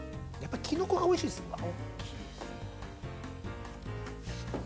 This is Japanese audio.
やっぱキノコがおいしいっす。